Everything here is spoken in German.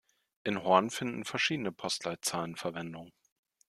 In Horn finden verschiedene Postleitzahlen Verwendung.